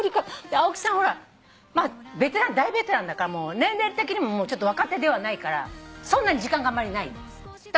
青木さんほら大ベテランだから年齢的にも若手ではないからそんなに時間があんまりない。と